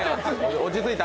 落ち着いた？